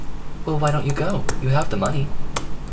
"Well, why don't you go? You have the money."